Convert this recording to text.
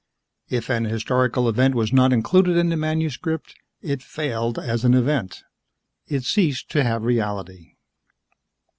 If an historical event was not included in the manuscript, it failed as an event. It ceased to have reality.